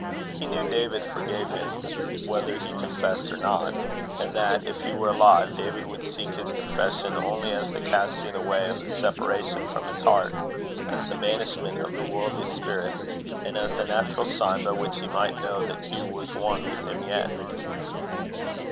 He knew David forgave him, whether he confessed or not; and that, if he were alive, David would seek his confession only as the casting away of the separation from his heart, as the banishment of the worldly spirit, and as the natural sign by which he might know that Hugh was one with him yet.